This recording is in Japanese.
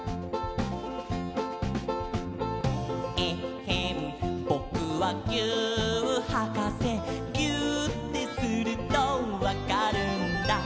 「えっへんぼくはぎゅーっはかせ」「ぎゅーってするとわかるんだ」